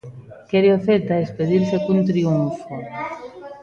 Quere o Celta despedirse cun triunfo.